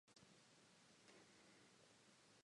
His backup was Maidarjavyn Ganzorig.